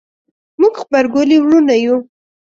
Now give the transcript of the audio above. موږ غبرګولي وروڼه یو